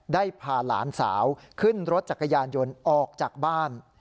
ได้พาหลานสาวขึ้นรถจักรยานยนต์ออกจากบ้าน